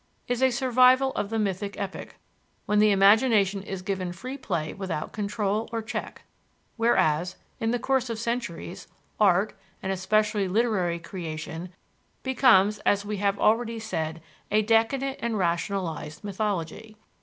is a survival of the mythic epoch, when the imagination is given free play without control or check; whereas, in the course of centuries, art and especially literary creation becomes, as we have already said, a decadent and rationalized mythology.